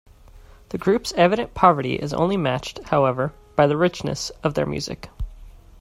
The group's evident poverty is only matched, however, by the richness of their music.